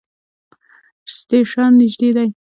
سټیشن نژدې دی